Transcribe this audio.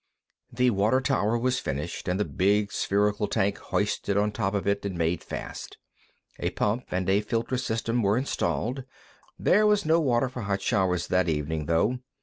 The water tower was finished, and the big spherical tank hoisted on top of it and made fast. A pump, and a filter system were installed. There was no water for hot showers that evening, though.